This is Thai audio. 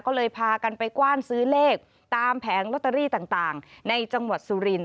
ก็เลยพากันไปกว้านซื้อเลขตามแผงลอตเตอรี่ต่างในจังหวัดสุรินท